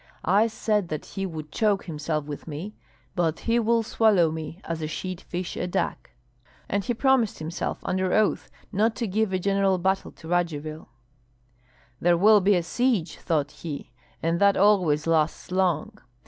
I said that he would choke himself with me, but he will swallow me as a sheat fish a duck." And he promised himself, under oath, not to give a general battle to Radzivill. "There will be a siege," thought he, "and that always lasts long.